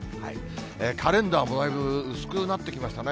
カレンダーも大分、薄くなってきましたね。